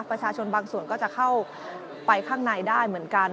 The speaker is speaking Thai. ประชาชนบางส่วนก็จะเข้าไปข้างในได้เหมือนกัน